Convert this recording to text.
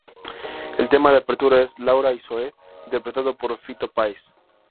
El tema de apertura es "Laura y Zoe" interpretado por Fito Páez.